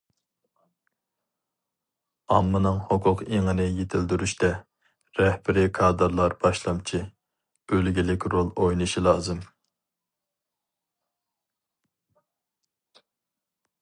ئاممىنىڭ ھوقۇق ئېڭىنى يېتىلدۈرۈشتە رەھبىرىي كادىرلار باشلامچى، ئۈلگىلىك رول ئوينىشى لازىم.